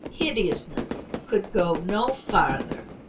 Hideousness could go no farther.